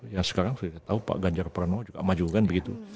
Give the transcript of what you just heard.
yang sekarang saya tahu pak ganjar pranowo juga maju